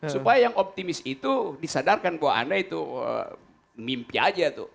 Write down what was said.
supaya yang optimis itu disadarkan bahwa anda itu mimpi aja tuh